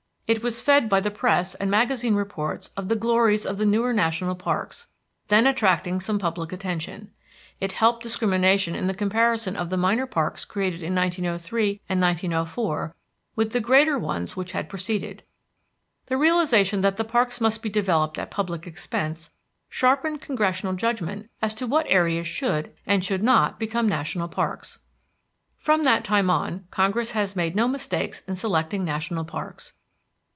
It was fed by the press and magazine reports of the glories of the newer national parks, then attracting some public attention. It helped discrimination in the comparison of the minor parks created in 1903 and 1904 with the greater ones which had preceded. The realization that the parks must be developed at public expense sharpened Congressional judgment as to what areas should and should not become national parks. From that time on Congress has made no mistakes in selecting national parks.